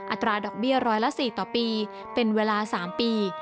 อัตราดอกเบี้ยร้อยละ๔ต่อปีเป็นเวลา๓ปี